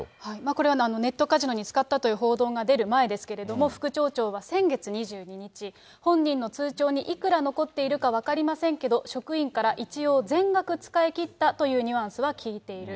これはネットカジノに使ったという報道が出る前ですけれども、副町長は先月２２日、本人の通帳にいくら残っているか分かりませんけど、職員から一応、全額使い切ったというニュアンスは聞いている。